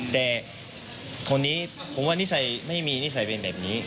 แต่คนนี้ผมว่านิสัยไม่มีนิสัยเป็นแบบนี้